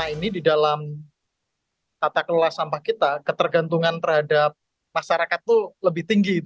ini di dalam tata kelola sampah kita ketergantungan terhadap masyarakat itu lebih tinggi